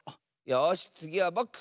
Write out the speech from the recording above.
よしつぎはぼく！